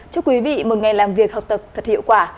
chúc quý vị một ngày làm việc học tập thật hiệu quả